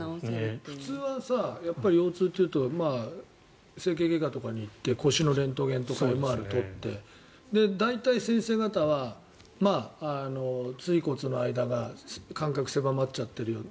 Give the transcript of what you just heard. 普通は腰痛っていうと整形外科とかに行って腰のレントゲンとかＭＲＩ撮って大体、先生方は椎骨の間が間隔が狭まっちゃってるよと。